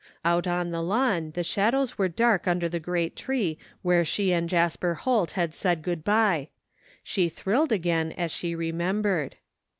Out on the lawn the shadows were dark under the great tree where she and Jasper Holt had said good bye. She thrilled again as she remembered.